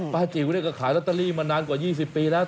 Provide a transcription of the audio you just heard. ป๊าจิ๋วก็ขายลัตเตอรี่มานานกว่า๒๐ปีแล้ว